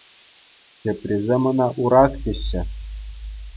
Теприсем ӑна Урак теҫҫӗ.